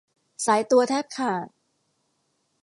สายตัวแทบขาด